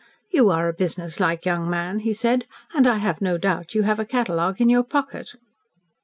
"You are a business like young man," he said, "and I have no doubt you have a catalogue in your pocket."